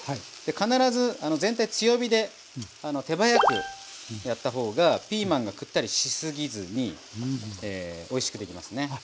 必ず全体強火で手早くやったほうがピーマンがくったりしすぎずにおいしくできますね。